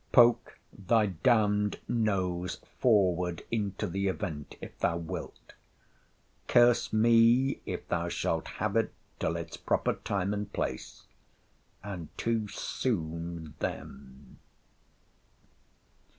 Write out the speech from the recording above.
Poke thy damn'd nose forward into the event, if thou wilt—Curse me if thou shalt have it till its proper time and place. And too soon then.